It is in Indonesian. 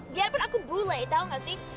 biarpun aku bule tau nggak sih